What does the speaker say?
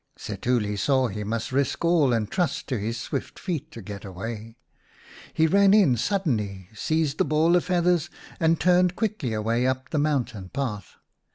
Setuli saw he must risk all and trust to his swift feet to get away. He ran in suddenly, seized the ball of feathers, and turned quickly away up the mountain path.